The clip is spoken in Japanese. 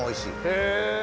へえ！